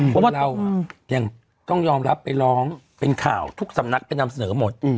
พวกเรายังต้องยอมรับไปร้องเป็นข่าวทุกสำนักไปนำเสนอหมด